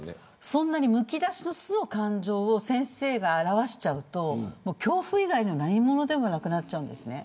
そんなにむき出しの素の感情を先生が表しちゃうと恐怖以外の何物でもなくなってしまいます。